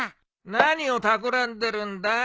何をたくらんでるんだ？